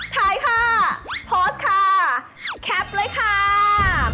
ถ่ายค่ะโพสต์ค่ะแคปเลยค่ะ